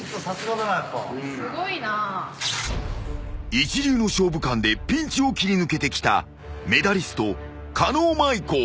［一流の勝負感でピンチを切り抜けてきたメダリスト狩野舞子］